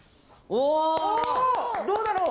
おどうだろう？